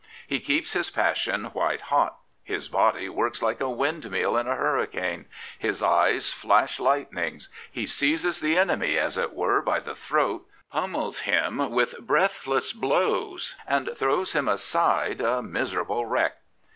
He keeps his passion white hot; his body works like a windmill in a hurricane; his eyes flash lightnings; he seizes the enemy, as it were, by the throat, poif Cnaels him with breathless blows, and throws him ^de a miserable wreck.